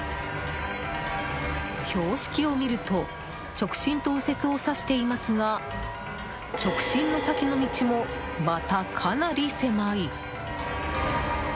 標識を見ると直進と右折を指していますが直進の先の道もまたかなり狭い。